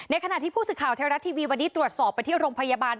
ในขณะที่ผู้สึกข่าวแท้วรัชทีวีวันนี้ตรวจสอบประเทศโรงพยาบาล